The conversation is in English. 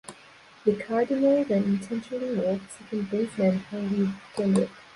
The Cardinals then intentionally walked second baseman Howie Kendrick.